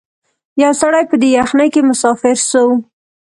یو سړی په دې یخنۍ کي مسافر سو